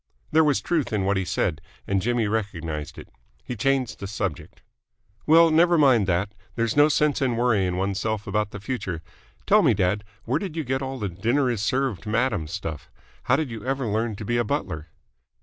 There was truth in what he said, and Jimmy recognised it. He changed the subject. "Well, never mind that. There's no sense in worrying oneself about the future. Tell me, dad, where did you get all the 'dinner is served, madam' stuff? How did you ever learn to be a butler?"